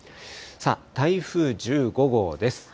さあ、台風１５号です。